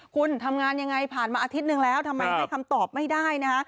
คุณทำงานยังไงผ่านมาอาทิตย์หนึ่งแล้วทำไมให้คำตอบไม่ได้นะฮะ